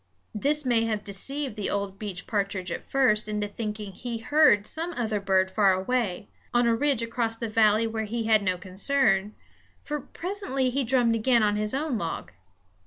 This may have deceived the old beech partridge at first into thinking that he heard some other bird far away, on a ridge across the valley where he had no concern; for presently he drummed again on his own log.